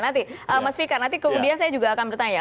nanti mas fika nanti saya juga akan bertanya